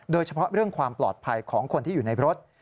โดยเฉพาะเรื่องความปลอดภัยของคนที่อยู่ในรถ